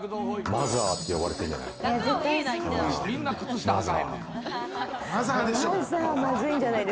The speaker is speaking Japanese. マザーって呼ばれてんじゃない？